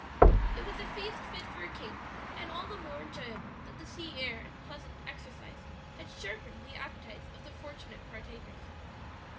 It was a feast fit for a king, and all the more enjoyable that the sea air and pleasant exercise had sharpened the appetites of the fortunate partakers.